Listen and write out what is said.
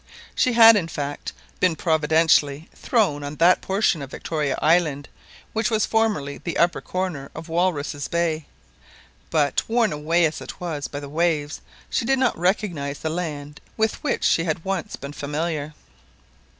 She had, in fact, been providentially thrown on that portion of Victoria Island which was formerly the upper corner of Walruses' Bay. But, worn away as it was by the waves, she did not recognise the land with which she had once been familiar.